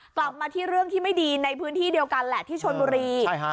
กลับมาที่เรื่องที่ไม่ดีในพื้นที่เดียวกันแหละที่ชนบุรี